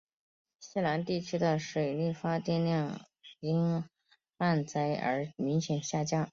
西南地区的水力发电量因旱灾而明显下降。